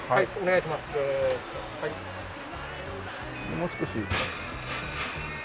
もう少し。